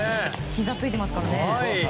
ひざついてますからね。